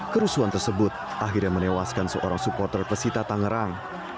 kerusuhan tersebut akhirnya menewaskan seorang supporter pesita tangerang